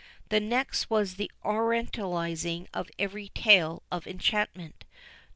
The next was the Orientalizing of every tale of enchantment.